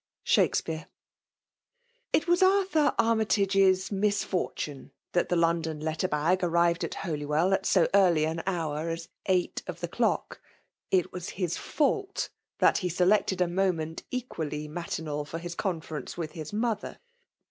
SBUL8PSA.UX, It was Arthur Armytage's misfortune that the London letter bag arrived at Holywell, at so early an hour as eight of the clock ; it was his fault that he selected a moment equally mati nal for Iiis conference with his mother.